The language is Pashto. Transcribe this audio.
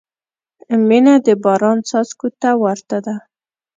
• مینه د باران څاڅکو ته ورته ده.